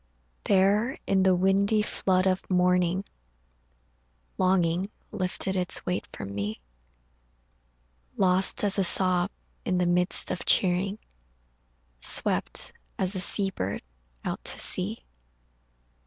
There in the windy flood of morning Longing lifted its weight from me, Lost as a sob in the midst of cheering, Swept as a sea bird out to sea.